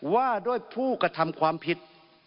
ว่าด้วยผู้กระทำความผิด